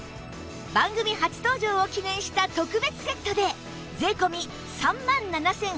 番組初登場を記念した特別セットで税込３万７８００円